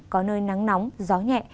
có nơi nắng nóng gió nhẹ